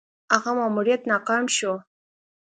هغه ماموریت ناکام شو.